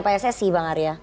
pak sesi bang arya